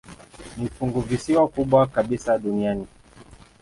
Ni funguvisiwa kubwa kabisa duniani.